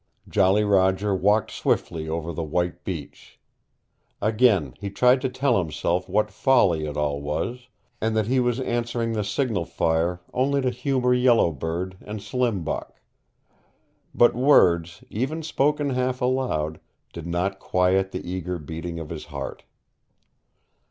Jolly Roger walked swiftly over the white beach. Again he tried to tell himself what folly it all was, and that he was answering the signal fire only to humor Yellow Bird and Slim Buck. But words, even spoken half aloud, did not quiet the eager beating of his heart.